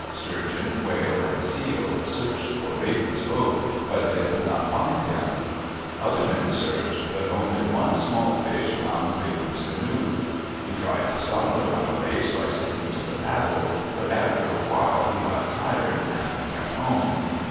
Sturgeon, Whale, and Seal searched for Raven's boat, but they could not find him. Other men searched, but only one small fish found Raven's canoe. He tried to stop the runaways by sticking to the paddle, but after a while he got tired and went home.